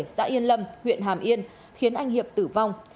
xã yên lâm huyện hàm yên khiến anh hiệp tử vong